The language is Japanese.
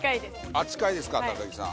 あっ近いですか木さん。